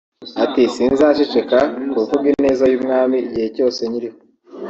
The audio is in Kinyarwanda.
Ati “sinzaceceka kuvuga ineza y’Umwami igihe cyose nyiriho